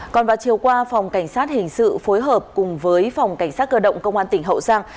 còn vào chiều qua phòng cảnh sát hình sự phối hợp cùng với phòng cảnh sát cơ động công an tỉnh hậu giang